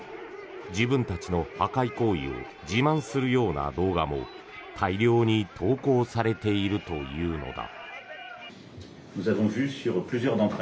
自分たちの破壊行為を自慢するような動画も大量に投稿されているというのだ。